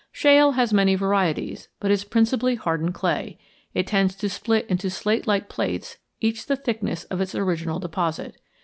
Shale has many varieties, but is principally hardened clay; it tends to split into slate like plates each the thickness of its original deposit.